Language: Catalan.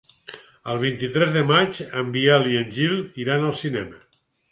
El vint-i-tres de maig en Biel i en Gil iran al cinema.